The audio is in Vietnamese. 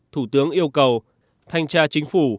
thủ tướng yêu cầu thanh tra chính phủ